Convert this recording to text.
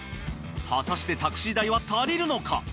果たしてタクシー代は足りるのか？